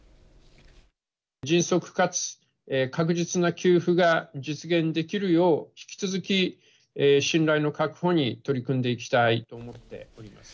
迅速かつ確実な給付が実現できるよう、引き続き、信頼の確保に取り組んでいきたいと思っております。